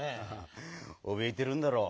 おびえてるんだろう。